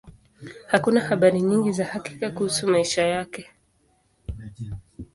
Hakuna habari nyingi za hakika kuhusu maisha yake.